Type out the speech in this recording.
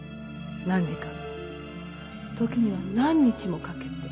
何時間も時には何日もかけて。